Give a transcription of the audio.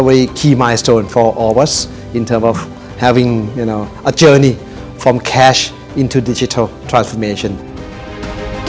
jadi ini adalah pembantuan utama untuk kita dalam perjalanan dari uang ke transformasi digital